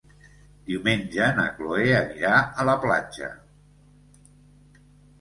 Diumenge na Cloè anirà a la platja.